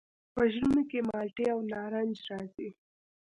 په ژمي کې مالټې او نارنج راځي.